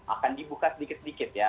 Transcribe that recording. akan dibuka sedikit sedikit ya